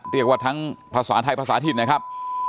เรียกว่าทั้งภาษาไทยภาษาถิ่นนะครับ